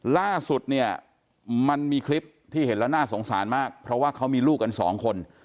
ล่าสุดเนี่ยมันมีคลิปที่เห็นแล้วน่าสงสารมากเพราะว่าเขามีลูกกันสองคน